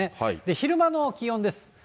昼間の気温です。